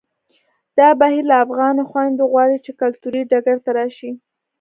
دا بهیر له افغانو خویندو غواړي چې کلتوري ډګر ته راشي